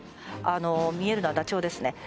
あの見えるのはダチョウですね